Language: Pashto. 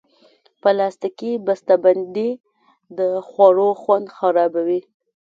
پلاستيکي بستهبندۍ د خوړو خوند خرابوي.